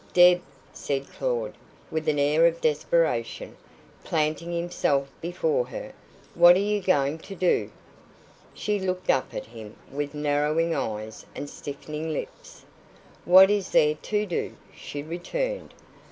"Deb," said Claud, with an air of desperation, planting himself before her, "what are you going to do?" She looked up at him with narrowing eyes and stiffening lips. "What IS there to do?" she returned.